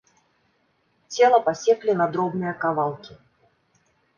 Цела пасеклі на дробныя кавалкі.